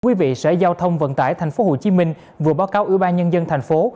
quý vị sở giao thông vận tải tp hcm vừa báo cáo ủy ban nhân dân thành phố